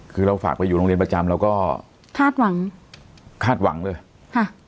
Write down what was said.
คือเราฝากไปอยู่โรงเรียนประจำเราก็คาดหวังคาดหวังเลยค่ะ